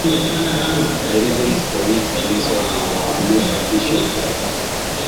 The reasons for his dismissal were not official clarified.